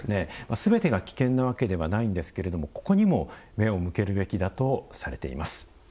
すべてが危険なわけではないんですけれどもここにも目を向けるべきだとされています。